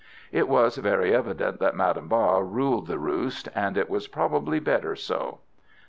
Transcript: It was very evident that Madame Ba ruled the roost, and it was probably better so.